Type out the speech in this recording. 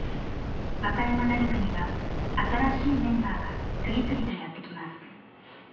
和歌山ダルクには新しいメンバーが次々とやって来ます。